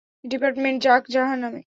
Department যাক জাহান্নামে।